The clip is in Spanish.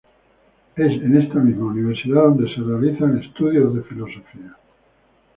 Es en esta misma Universidad, donde realiza estudios de Filosofía.